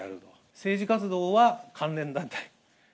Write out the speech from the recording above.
政治活動は関連団体。